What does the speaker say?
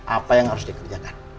apa yang harus dikerjakan